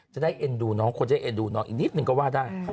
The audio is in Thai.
เอ็นดูน้องคนจะเอ็นดูน้องอีกนิดนึงก็ว่าได้